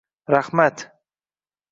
Rahmat.